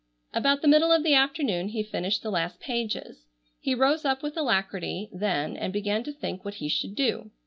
About the middle of the afternoon he finished the last pages. He rose up with alacrity then and began to think what he should do.